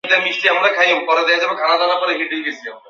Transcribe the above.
ও এখন থেকে আমার!